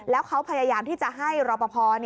แล้วเขาพยายามที่จะให้รอปภ